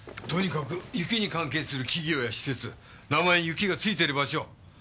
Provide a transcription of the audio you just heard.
とにかく雪に関係する企業や施設名前に雪がついている場所。